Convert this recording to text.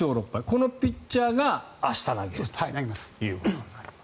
このピッチャーが明日投げるということになります。